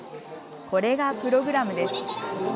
これがプログラムです。